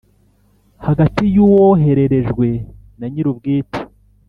hagati y uwohererejwe na nyirubwite